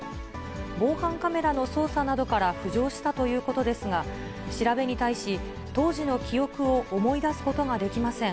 防犯カメラの捜査などから浮上したということですが、調べに対し、当時の記憶を思い出すことができません。